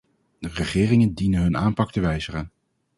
De regeringen dienen hun aanpak te wijzigen.